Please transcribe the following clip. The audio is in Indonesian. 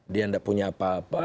dia tidak punya apa apa